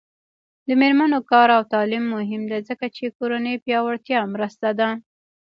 د میرمنو کار او تعلیم مهم دی ځکه چې کورنۍ پیاوړتیا مرسته ده.